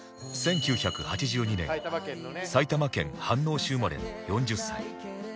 １９８２年埼玉県飯能市生まれの４０歳